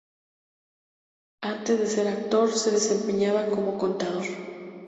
Antes de ser actor se desempeñaba como contador.